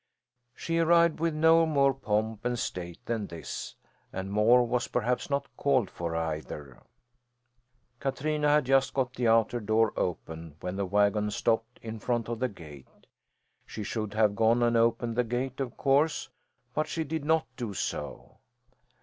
She arrived with no more pomp and state than this, and more was perhaps not called for either. Katrina had just got the outer door open when the wagon stopped in front of the gate. She should have gone and opened the gate, of course, but she did not do so.